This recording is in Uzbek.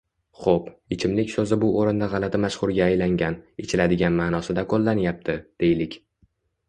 Xoʻp, ichimlik soʻzi bu oʻrinda gʻalati mashhurga aylangan, ichiladigan maʼnosida qoʻllanyapti, deylik